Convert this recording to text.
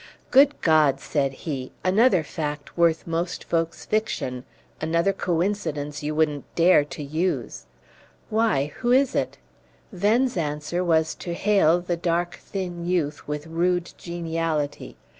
"Good God!" said he. "Another fact worth most folks' fiction another coincidence you wouldn't dare to use!" "Why who is it?" Venn's answer was to hail the dark, thin youth with rude geniality.